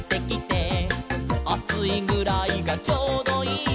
「『あついぐらいがちょうどいい』」